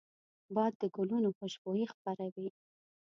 باد د ګلونو خوشبويي خپروي